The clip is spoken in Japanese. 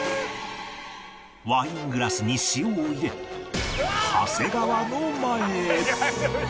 ワイングラスに塩を入れ長谷川の前へ